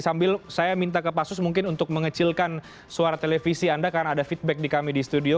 sambil saya minta ke pak sus mungkin untuk mengecilkan suara televisi anda karena ada feedback di kami di studio